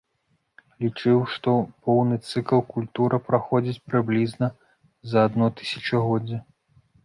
Лічыў, што поўны цыкл культура праходзіць прыблізна за адно тысячагоддзе.